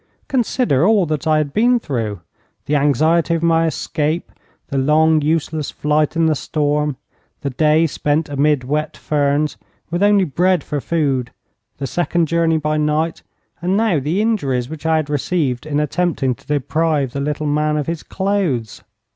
Consider all that I had been through, the anxiety of my escape, the long, useless flight in the storm, the day spent amid wet ferns, with only bread for food, the second journey by night, and now the injuries which I had received in attempting to deprive the little man of his clothes.